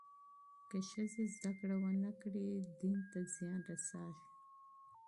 که ښځې زدهکړه ونه کړي، دین ته زیان رسېږي.